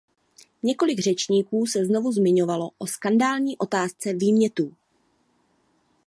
Několik řečníků se znovu zmiňovalo o skandální otázce výmětů.